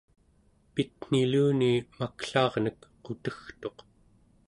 pitniluni maklaarnek qutegtuq